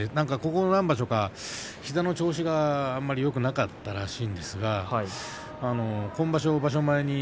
ここ何場所か前の調子があまりよくなかったらしかったんですが今場所、場所前に